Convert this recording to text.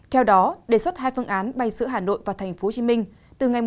theo đó đề xuất hai phương án bay giữa hà nội và tp hcm từ ngày một mươi một mươi